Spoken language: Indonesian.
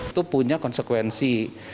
itu punya konsekuensi